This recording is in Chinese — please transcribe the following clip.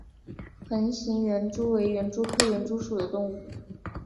横形园蛛为园蛛科园蛛属的动物。